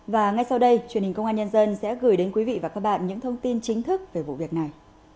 và ngay sau đây truyền hình công an nhân dân sẽ gửi đến quý vị và các bạn những thông tin chính thức về vụ việc này